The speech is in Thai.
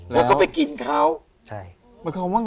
แล้วก็ไปกินข้าว